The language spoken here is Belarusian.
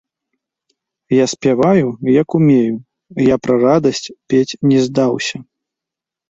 Я спяваю, як умею, я пра радасць пець не здаўся.